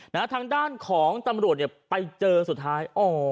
ทางด้านของตำรวจเนี่ยไปเจอสุดท้ายอ๋อ